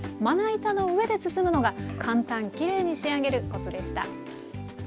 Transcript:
まな板の上で包むのが簡単きれいに仕上げるコツでした。